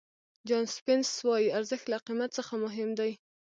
جان سپینس وایي ارزښت له قیمت څخه مهم دی.